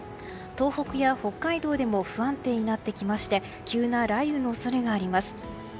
東北や北海道でも不安定になってきまして急な雷雨の恐れがあります。